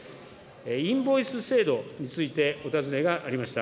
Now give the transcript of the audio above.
インボイス制度についてお尋ねがありました。